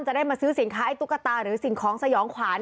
จะได้มาซื้อสินค้าไอ้ตุ๊กตาหรือสิ่งของสยองขวาน